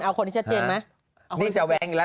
เอาคนที่ชัดเจนไหม